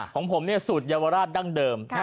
ของผมสูตรเยาวราชดั้งเดิม